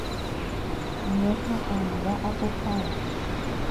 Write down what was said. Ñoha'ãnga apohára.